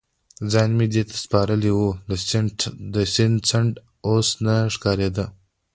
ځان مې دې ته سپارلی و، د سیند څنډه اوس نه ښکارېده.